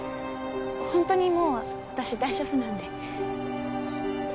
ほんとにもう私大丈夫なんで。